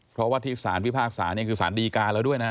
เพราะว่าที่สารพิพากษานี่คือสารดีการแล้วด้วยนะ